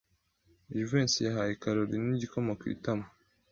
Jivency yahaye Kalorina igikoma ku itama.